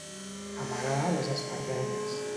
Amagar les espardenyes.